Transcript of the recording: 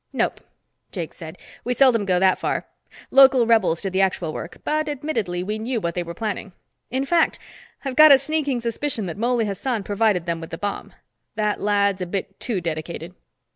"Nope," Jakes said. "We seldom go that far. Local rebels did the actual work, but, admittedly, we knew what they were planning. In fact, I've got a sneaking suspicion that Mouley Hassan provided them with the bomb. That lad's a bit too dedicated."